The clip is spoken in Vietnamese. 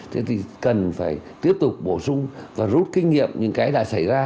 thế thì cần phải tiếp tục bổ sung và rút kinh nghiệm những cái đã xảy ra